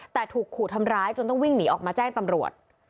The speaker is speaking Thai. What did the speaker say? แต่ถูกขู่ทำร้ายจนต้องวิ่งหนีออกมาแจ้งตำรวจ